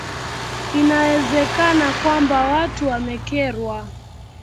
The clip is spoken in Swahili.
inawezekana kwamba watu wamekerwa